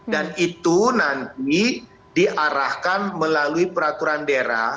dan itu nanti diarahkan melalui peraturan daerah